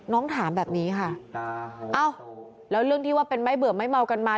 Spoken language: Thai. ถามแบบนี้ค่ะเอ้าแล้วเรื่องที่ว่าเป็นไม่เบื่อไม่เมากันมา